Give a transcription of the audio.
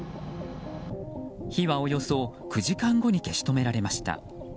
火はおよそ９時間後に消し止められました。